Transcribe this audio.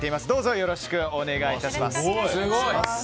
どうぞよろしくお願い致します。